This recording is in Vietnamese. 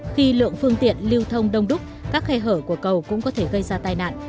khi lượng phương tiện lưu thông đông đúc các khe hở của cầu cũng có thể gây ra tai nạn